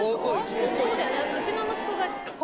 そうだよね。